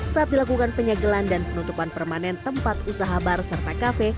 saat dilakukan penyegelan dan penutupan permanen tempat usaha bar serta kafe